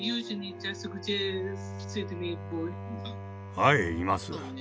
はいいます。